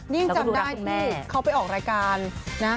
ยิ่งจำได้ที่เขาไปออกรายการนะ